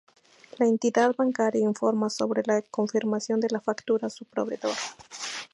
La entidad bancaria informa sobre la confirmación de la factura a su proveedor.